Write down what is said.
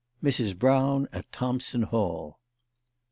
MRS. BROWN AT THOMPSON HALL.